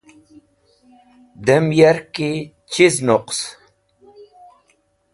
Dem yarki chiz nuqs?